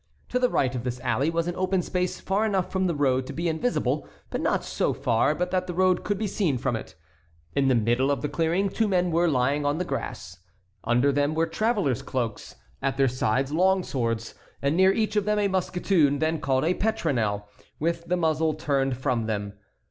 To the right of this alley was an open space far enough from the road to be invisible, but not so far but that the road could be seen from it. In the middle of the clearing two men were lying on the grass. Under them were travellers' cloaks, at their sides long swords, and near each of them a musketoon (then called a petronel) with the muzzle turned from them.